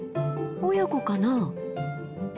親子かな？